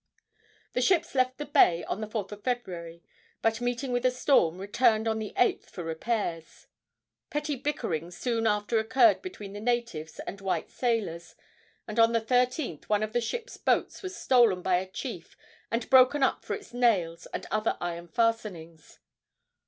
The ships left the bay on the 4th of February, but, meeting with a storm, returned on the 8th for repairs. Petty bickerings soon after occurred between the natives and white sailors, and on the 13th one of the ships' boats was stolen by a chief and broken up for its nails and other iron fastenings.